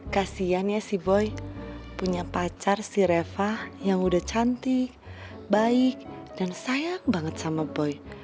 kasiannya si boy punya pacar si reva yang udah cantik baik dan sayang banget sama boy